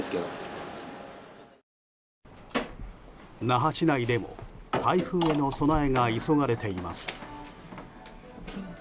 那覇市内でも台風への備えが急がれています。